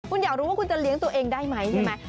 คุณอยากรู้ว่าคุณจะเลี้ยงตัวเองได้ไหมใช่ไหม